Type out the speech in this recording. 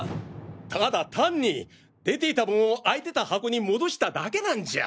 ただ単に出ていた盆を空いてた箱に戻しただけなんじゃ。